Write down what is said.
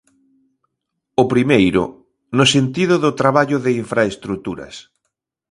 O primeiro, no sentido do traballo de infraestruturas.